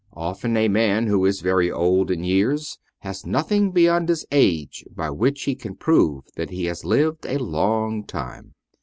Often a man who is very old in years has nothing beyond his age by which he can prove that he has lived a long time."